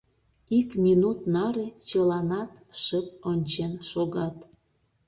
Ик минут наре чыланат шып ончен шогат.